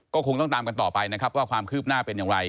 ก็คงต้องตามกันต่อไปนะครับว่าความคืบหน้าเป็นอย่างไร